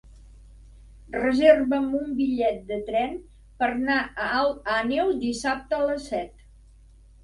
Reserva'm un bitllet de tren per anar a Alt Àneu dissabte a les set.